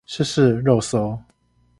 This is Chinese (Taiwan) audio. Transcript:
試試肉搜